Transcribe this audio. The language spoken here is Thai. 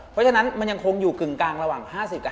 เพราะฉะนั้นมันยังคงอยู่กึ่งกลางระหว่าง๕๐